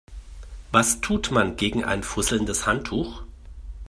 Was tut man gegen ein fusselndes Handtuch?